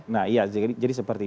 nah iya jadi seperti